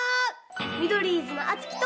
ミドリーズのあつきと。